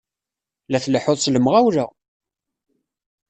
La tleḥḥuḍ s lemɣawla!